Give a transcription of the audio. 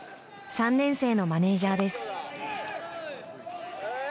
３年生のマネジャーです。